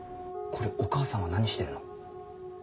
これお母さんは何してるの？